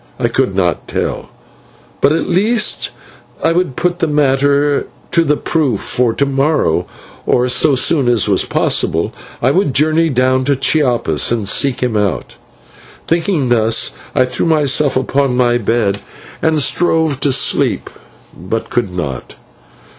I could not tell, but at least I would put the matter to the proof, for to morrow, or so soon as was possible, I would journey down to Chiapas and seek him out. Thinking thus, I threw myself upon my bed and strove to sleep, but could not.